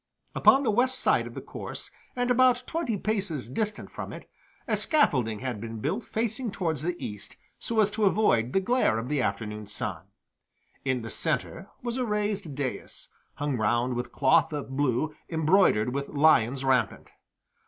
Upon the west side of the course and about twenty paces distant from it, a scaffolding had been built facing towards the east so as to avoid the glare of the afternoon sun. In the centre was a raised dais, hung round with cloth of blue embroidered with lions rampant.